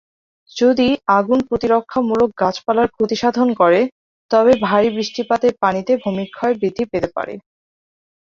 যদি আগুন প্রতিরক্ষামূলক গাছপালার ক্ষতিসাধন করে, তবে ভারী বৃষ্টিপাতের পানিতে ভূমিক্ষয় বৃদ্ধি পেতে পারে।